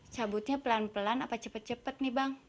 cabutnya pelan pelan apa cepet cepet nih bang